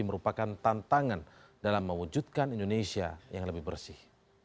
merupakan tantangan dalam mewujudkan indonesia yang lebih bersih